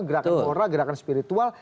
gerakan moral gerakan spiritual